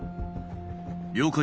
了解